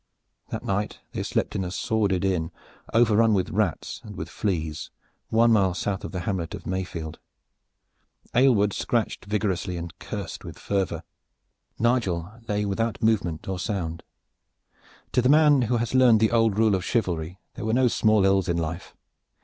That night they slept in a sordid inn, overrun with rats and with fleas, one mile south of the hamlet of Mayfield. Aylward scratched vigorously and cursed with fervor. Nigel lay without movement or sound. To the man who had learned the old rule of chivalry there were no small ills in life.